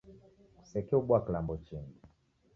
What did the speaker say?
Kusekeobua kilambo chingi